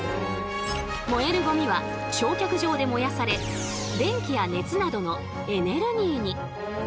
燃えるゴミは焼却場で燃やされ電気や熱などのエネルギーに！